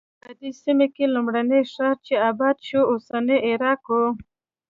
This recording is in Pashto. په دې سیمه کې لومړنی ښار چې اباد شو اوسنی عراق و.